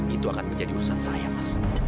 itu akan menjadi urusan saya mas